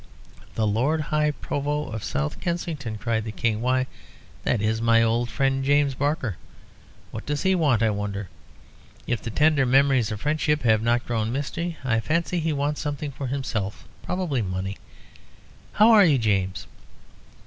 "The Lord High Provost of South Kensington!" cried the King. "Why, that is my old friend James Barker! What does he want, I wonder? If the tender memories of friendship have not grown misty, I fancy he wants something for himself, probably money. How are you, James?"